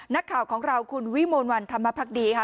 นักข่าวของเราคุณวิมวลวันธรรมพักดีค่ะ